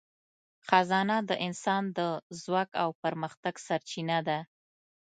خزانه د انسان د ځواک او پرمختګ سرچینه ده.